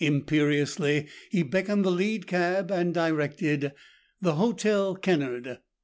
Imperiously he beckoned the lead cab and directed, "The Hotel Kennard."